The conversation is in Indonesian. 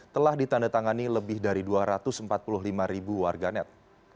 telah ditandatangani lebih dari dua ratus empat puluh lima ribu warganet